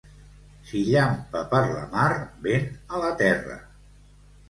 Si llampa per la mar, vent a la terra.